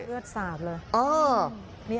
เลือดสาบเลย